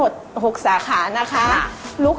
การที่บูชาเทพสามองค์มันทำให้ร้านประสบความสำเร็จ